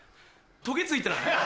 トゲ付いてない？